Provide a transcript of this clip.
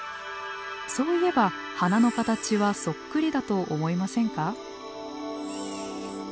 そういえば鼻の形はそっくりだと思いませんか？